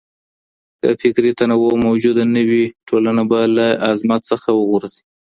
که فکري تنوع موجوده نه وي، ټولنه به له عظمت نه وغورځي.